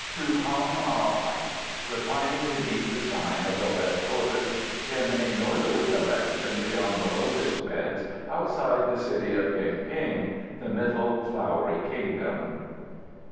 To Kong Ah Paik, reclining beneath the sign of the Lead Tortoise, in a northerly direction beyond the Lotus Beds outside the city of Yuen ping. The Middle Flowery Kingdom.